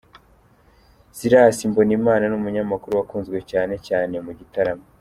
Silas Mbonimana, ni umunyamakuru wakunzwe cyane cyane mu gitaramo.